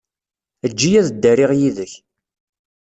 Eǧǧ-iyi ad ddariɣ yid-k.